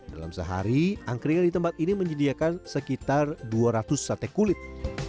dalam sehari angkringan di tempat ini menyediakan sekitar dua ratus sate kulit